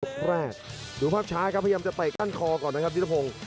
ลูกแรกดูภาพช้าครับพยายามจะไปกั้นคอก่อนนะครับดินทะพง